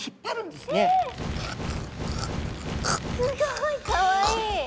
すごいかわいい！